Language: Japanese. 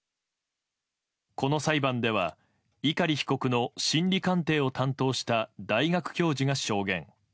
この裁判では碇被告の心理鑑定を担当した大学教授が証言。